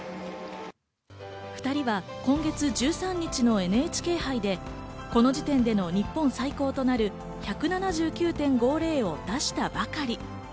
２人は今月１３日のＮＨＫ杯でこの時点での日本最高となる１７９．５０を出したばかり。